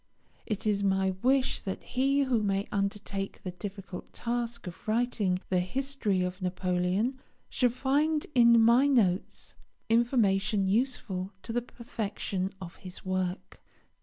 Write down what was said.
It is my wish that he who may undertake the difficult task of writing the history of Napoleon shall find in my notes information useful to the perfection of his work.